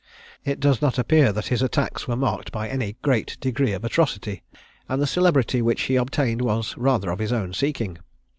It does not appear that his attacks were marked by any great degree of atrocity; and the celebrity which he obtained was rather of his own seeking.